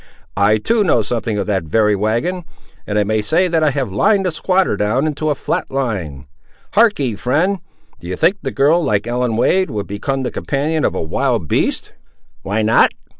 I, too, know something of that very wagon, and I may say that I have lined the squatter down into a flat lie. Harkee, friend; do you think a girl, like Ellen Wade, would become the companion of a wild beast?" "Why not?